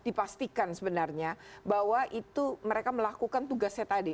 yang kepala dinas dipastikan sebenarnya bahwa itu mereka melakukan tugasnya tadi